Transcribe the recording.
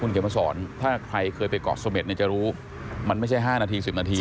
คุณเกมสอนถ้าใครเคยไปเกาะสมรรย์จะรู้มันไม่ใช่๕นาที๑๐นาที